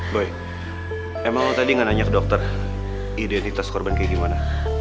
boy emang lo tadi gak nanya ke dokter identitas korban kayak gimana